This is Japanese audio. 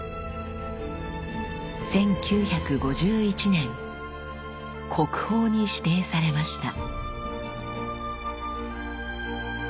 １９５１年国宝に指定されました。